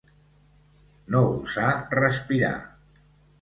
No gosar respirar.